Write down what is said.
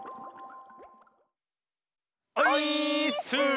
オイーッス！